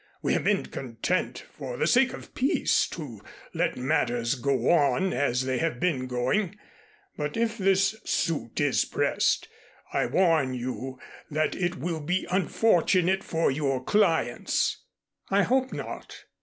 We have been content for the sake of peace to let matters go on as they have been going, but if this suit is pressed, I warn you that it will be unfortunate for your clients." "I hope not.